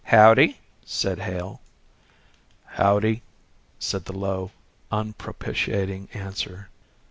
"Howdye!" said Hale. "Howdye!" was the low, unpropitiating answer.